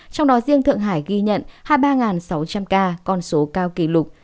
trong đó riêng thượng hải ghi nhận hai mươi ba sáu trăm linh ca con số cao kỷ lục